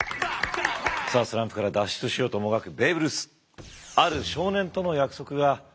さあスランプから脱出しようともがくベーブ・ルース！